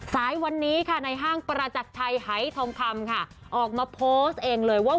สายวันนี้ในห้างปราจักรไทยไฮส์ธรรมคำออกมาโพสต์เองเลยว่า